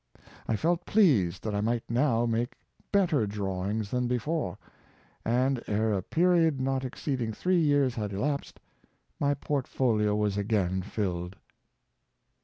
I felt pleased that I might now make better drawings than before; and, ere a period not exceeding three years had elapsed, my portfolio was again filled."